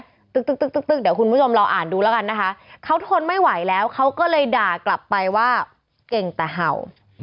เดี๋ยวคุณผู้ชมลองอ่านดูแล้วกันนะคะเขาทนไม่ไหวแล้วเขาก็เลยด่ากลับไปว่าเก่งแต่เห่า